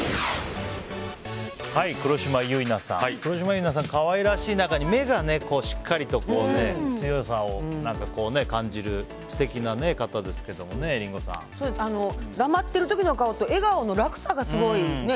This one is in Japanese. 黒島結菜さん、可愛らしい中に目がしっかりと強さを感じる素敵な方ですけれども黙ってる時の顔と笑顔の落差がすごいね。